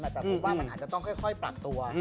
แต่ผมว่ามันอาจจะต้องค่อยปรับตัว